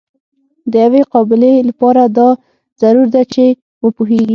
د یوې قابلې لپاره دا ضرور ده چې وپوهیږي.